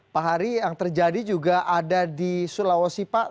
pak hari yang terjadi juga ada di sulawesi pak